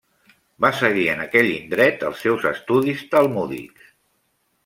Va seguir en aquell indret els seus estudis talmúdics.